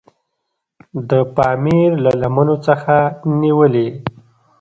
د پامیر له لمنو څخه نیولې.